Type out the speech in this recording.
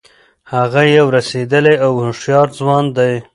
هغه یو رسېدلی او هوښیار ځوان دی.